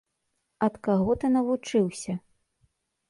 Ад каго ты навучыўся?